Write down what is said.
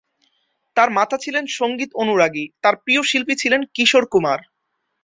তার মাতা ছিলেন সংগীত অনুরাগী, তার প্রিয় শিল্পী ছিলেন কিশোর কুমার।